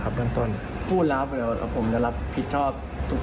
ค่าเสียหายครับ